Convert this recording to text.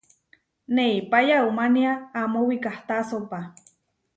Neipá yaumánia amó wikahtásopa.